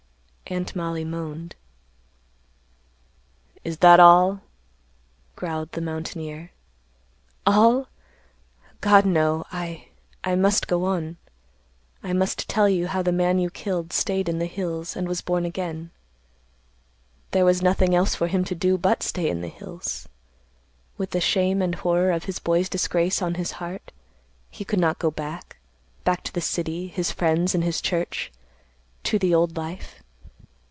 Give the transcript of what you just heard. Aunt Mollie moaned. "Is that all?" growled the mountaineer. "All! God, no! I—I must go on. I must tell you how the man you killed staid in the hills and was born again. There was nothing else for him to do but stay in the hills. With the shame and horror of his boy's disgrace on his heart, he could not go back—back to the city, his friends and his church—to the old life.